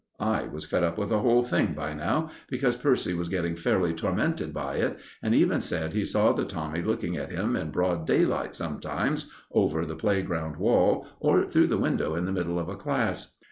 I was fed up with the whole thing by now, because Percy was getting fairly tormented by it, and even said he saw the Tommy looking at him in broad daylight sometimes over the playground wall, or through the window in the middle of a class.